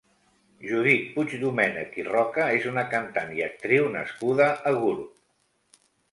Judit Puigdomènech i Roca és una cantant i actriu nascuda a Gurb.